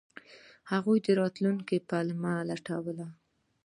هغوی د راتلونکي پلمه لټوله.